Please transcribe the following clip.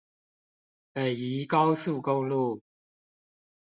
北宜高速公路